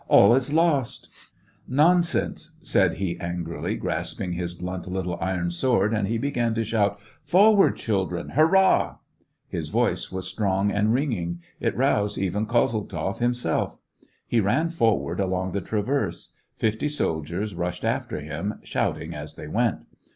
*' All is lost !"" Nonsense !" said he, angrily, grasping his blunt little iron sword, and he began to shout :—" Forward, children ! Hurrah !" His voice was strong and ringing ; it roused even Kozeltzoff himself. He ran forward along the traverse ; fifty soldiers rushed after him, shouting as they went.